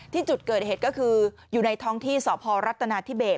ที่จุดเกิดเหตุก็คืออยู่ในท้องที่สพรัฐนาธิเบส